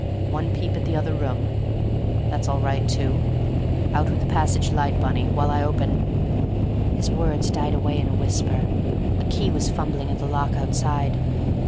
One peep at the other room. That's all right, too. Out with the passage light, Bunny, while I open—" His words died away in a whisper. A key was fumbling at the lock outside.